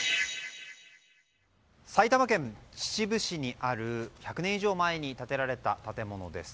埼玉県秩父市にある１００年以上前に建てられた建物です。